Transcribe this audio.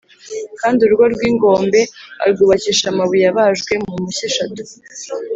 Kandi urugo rw’ingombe arwubakisha amabuye abajwe mu mpushya eshatu